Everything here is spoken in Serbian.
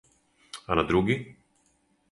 А на други?